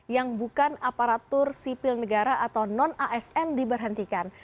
yang bukan aparatur sipil negara atau non asn diberhentikan